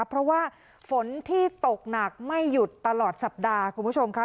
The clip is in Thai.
เพราะว่าฝนที่ตกหนักไม่หยุดตลอดสัปดาห์คุณผู้ชมค่ะ